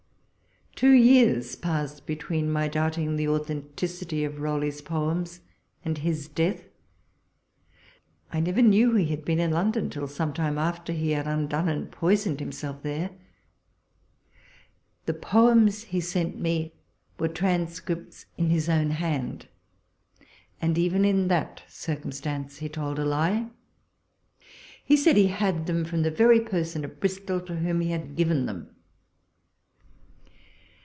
Two years passed be tween my doubting the authenticity of Rowley's poems and his death. I never knew he had been in Loiulon till some time after ho had undone and poisoned himself there. Tlie poems he sent me were transcripts in his own hand, and even in that circumstance he told a lie : he said he had them from the very person at Bristol to whom he had given them.